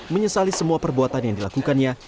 menyesali semua perbuatan yang dilakukannya